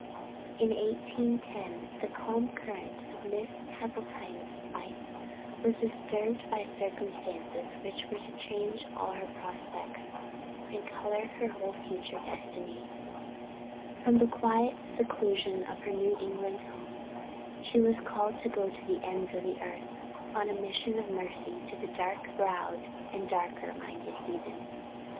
In 1810, the calm current of Miss Hasseltine's life was disturbed by circumstances which were to change all her prospects, and color her whole future destiny. From the quiet and seclusion of her New England home, she was called to go to the ends of the earth, on a mission of mercy to the dark browed and darker minded heathen.